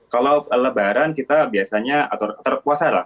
kalau lebaran kita biasanya atau terpuasa lah